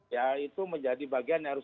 ya itu menjadi bagian yang harus